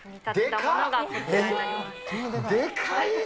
でかいな。